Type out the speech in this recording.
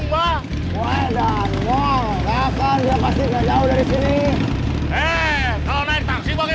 makasih ya sekali